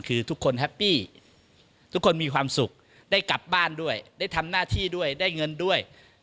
คือทุกคนแฮปปี้ทุกคนมีความสุขได้กลับบ้านด้วยได้ทำหน้าที่ด้วยได้เงินด้วย